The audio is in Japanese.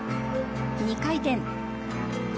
２回転。